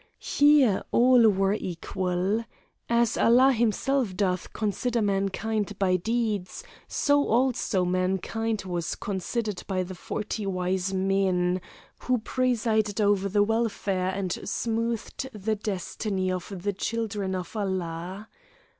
Here all were equal. As Allah himself doth consider mankind by deeds, so also mankind was considered by the Forty Wise Men, who presided over the welfare and smoothed the destiny of the children of Allah.